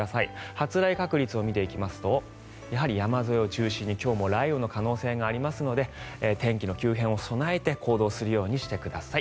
発雷確率を見ていきますとやはり山沿いを中心に、今日も雷雨の可能性がありますので天気の急変に備えて行動するようにしてください。